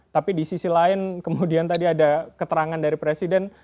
tapi di sisi lain kemudian tadi ada keterangan dari presiden